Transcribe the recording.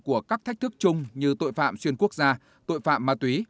của các thách thức chung như tội phạm xuyên quốc gia tội phạm ma túy